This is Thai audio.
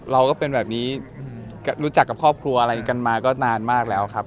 เราก็เป็นแบบนี้รู้จักกับครอบครัวอะไรกันมาก็นานมากแล้วครับ